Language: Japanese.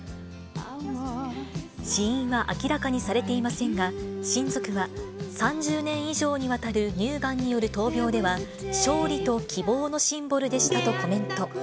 死因は明らかにされていませんが、親族は３０年以上にわたる乳がんによる闘病では、勝利と希望のシンボルでしたとコメント。